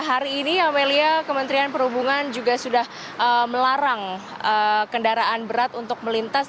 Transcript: hari ini amelia kementerian perhubungan juga sudah melarang kendaraan berat untuk melintas